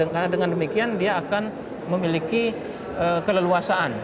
karena dengan demikian dia akan memiliki keleluasaan